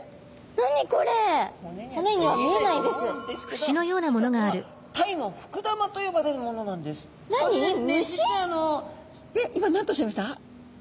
何とおっしゃいました？